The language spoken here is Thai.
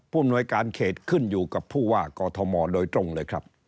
อำนวยการเขตขึ้นอยู่กับผู้ว่ากอทมโดยตรงเลยครับ